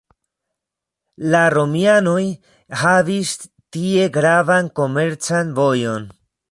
La romianoj havis tie gravan komercan vojon.